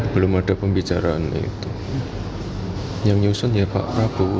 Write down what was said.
belum ada pembicaraan itu yang nyusun ya pak prabowo